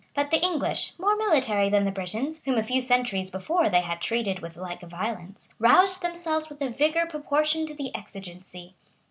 But the English, more military than the Britons, whom a few centuries before they had treated with like violence, roused themselves with a vigor proportioned to the exigency.